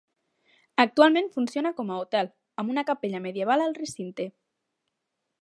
Actualment funciona com a hotel, amb una capella medieval al recinte.